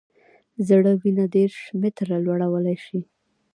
زړه وینه دېرش متره لوړولی شي.